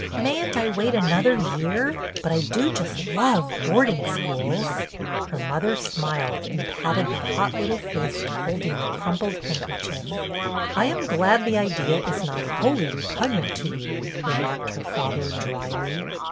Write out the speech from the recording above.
May n't I wait another year ? But I do just love boarding schools !" Her mother smiled and patted the hot little fist holding the crumpled handker chief. " I am glad the idea is not wholly repug nant to you," remarked her father, dryly.